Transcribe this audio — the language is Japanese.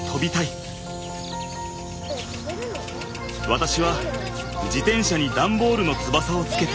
私は自転車に段ボールの翼をつけて。